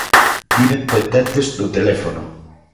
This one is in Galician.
Viven pendentes do teléfono.